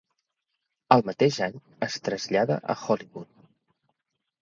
El mateix any es trasllada a Hollywood.